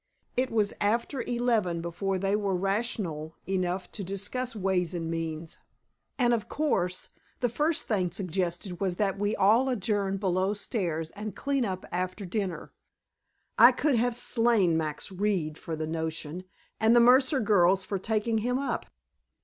It was after eleven before they were rational enough to discuss ways and means, and, of course, the first thing suggested was that we all adjourn below stairs and clean up after dinner. I could have slain Max Reed for the notion, and the Mercer girls for taking him up.